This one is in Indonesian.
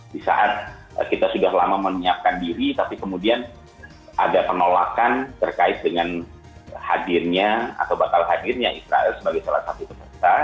di saat kita sudah lama menyiapkan diri tapi kemudian ada penolakan terkait dengan hadirnya atau batal hadirnya israel sebagai salah satu peserta